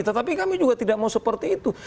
tetapi kami juga tidak mau seperti itu